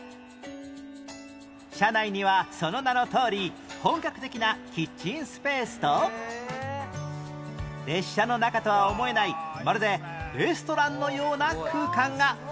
車内にはその名のとおり本格的なキッチンスペースと列車の中とは思えないまるでレストランのような空間が